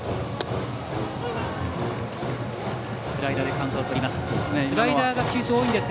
スライダーでカウントをとります。